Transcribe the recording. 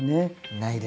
ないです。